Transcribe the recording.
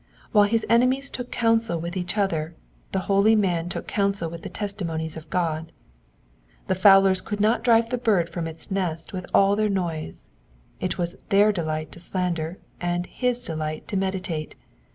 While his enemies took counsel with each other the boly man took counsel with the testimonies of God. The fowlers could not drive the bird from its nest with all their noise. It was their delight to slander and his delight to meditate.